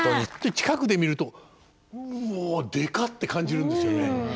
近くで見るとうおでか！って感じるんですよね。